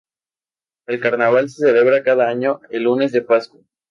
El carnaval se celebra cada año el Lunes de Pascua.